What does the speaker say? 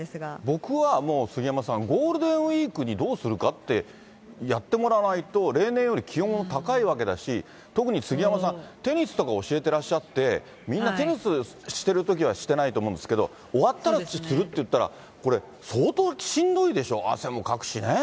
僕は、もう杉山さん、ゴールデンウィークにどうするかってやってもらわないと、例年より気温も高いわけだし、特に杉山さん、テニスとか教えてらっしゃって、みんな、テニスしているときはしてないと思うんですけど、終わったらするっていったら、これ、相当しんどいでしょ、汗もかくしね。